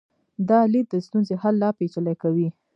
دا لید د ستونزې حل لا پیچلی کوي.